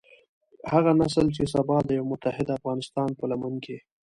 هغه نسل چې سبا د يوه متحد افغانستان په لمن کې.